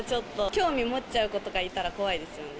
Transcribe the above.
興味持っちゃう子とかいたら怖いですよね。